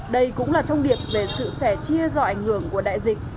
đây cũng là thông điệp về sự sẻ chia do ảnh hưởng của đại dịch